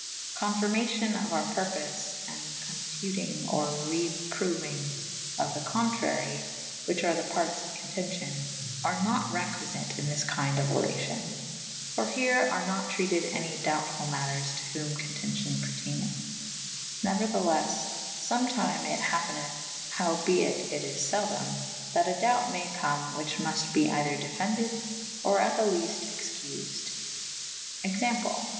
Confirmacion of our purpofe / and confutynge or reprouynge of the contrarye / whiche are the partes of contencyon / are not requy fyte in this kynde of oracyon / for here are nat treated any doubte ful maters to whom contencyon perteynethe. Neuer the leffe / foOTtyme it happenethe (howe be it it is feldome) thaX. a doubte may come / which muft be either defended / or at th& lefte' excufed. Example.